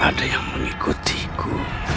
ada yang mengikutiku